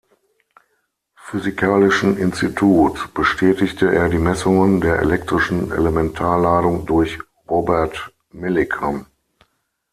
Physikalischen Institut bestätigte er die Messungen der elektrischen Elementarladung durch Robert Millikan.